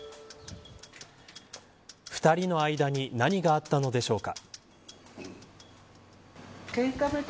２人の間に何があったのでしょうか。